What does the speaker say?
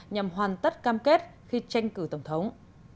nhằm hoàn tất cam kết khi tranh cử tổng thống